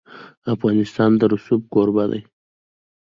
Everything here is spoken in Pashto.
افغانستان د رسوب کوربه دی.